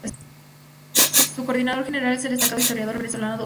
Su Coordinador General es el destacado historiador venezolano Dr.